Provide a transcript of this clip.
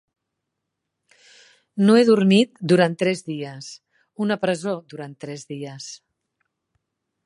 No he dormit durant tres dies: una presó durant tres dies.